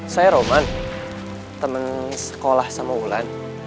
saya roman teman sekolah sama wulan